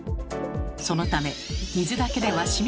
そのため水だけではしみ込んでいけない